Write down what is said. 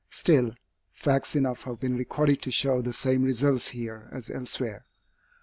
Still, facts enough have been recorded to show the same results here as elsewhere.